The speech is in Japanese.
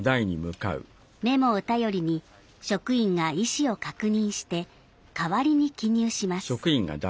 メモを頼りに職員が意思を確認して代わりに記入します。